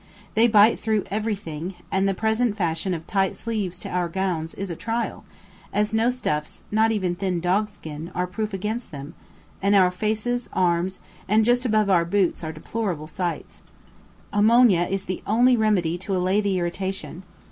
They bite through everything, and the present fashion of tight sleeves to our gowns is a trial, as no stuffs, not even thin dogskin, are proof against them, and our faces, arms, and just above our boots are deplorable sights. Ammonia is; the only remedy to allay the irritation.